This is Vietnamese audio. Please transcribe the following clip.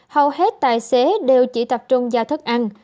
hầu hết tài xế đều chỉ tập trung ra thức ăn